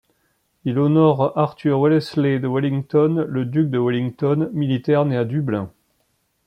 Il honore Arthur Wellesley de Wellington, le duc de Wellington, militaire né à Dublin.